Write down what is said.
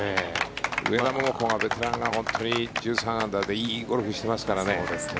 上田桃子がベテランが１３アンダーでいいゴルフをしてますからね。